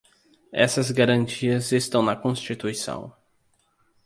Essas garantias estão na Constituição.